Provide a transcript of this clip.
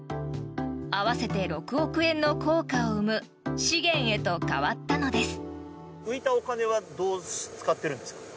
合わせて６億円の効果を生む資源へと変わったのです。